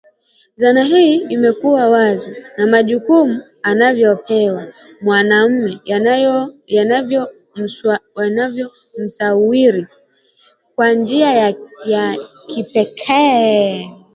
Dhana hii imewekwa wazi na majukumu anayopewa mwanamume yanayomsawiri kwa njia ya kipekee